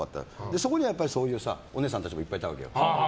そこにはそういうおネエさんたちもいっぱいいたわけよ。